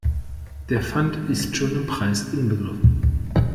Der Pfand ist schon im Preis inbegriffen.